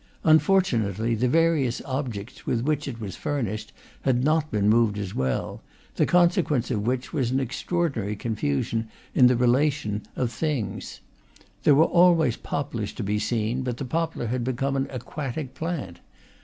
Unfortunately, the various objects with which it was furnished had not been moved as well, the consequence of which was an extraordinary confusion in the relations of thing. There were always poplars to be seen, but the poplar had become an aquatic plant.